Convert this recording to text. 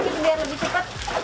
biar lebih cepet